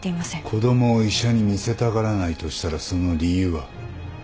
子供を医者に見せたがらないとしたらその理由は？